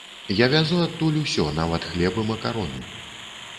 Я вязу адтуль усё, нават хлеб і макароны.